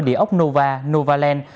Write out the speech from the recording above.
địa ốc nova novaland